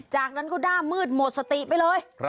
จากนั้นก็ด้ามืดหมดสติไปเลย